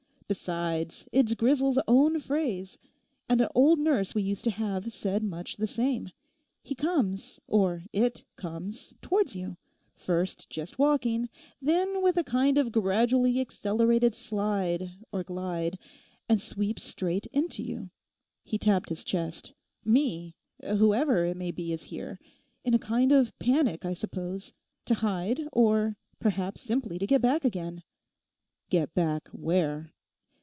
Besides, it's Grisel's own phrase; and an old nurse we used to have said much the same. He comes, or it comes towards you, first just walking, then with a kind of gradually accelerated slide or glide, and sweeps straight into you,' he tapped his chest, 'me, whoever it may be is here. In a kind of panic, I suppose, to hide, or perhaps simply to get back again.' 'Get back where?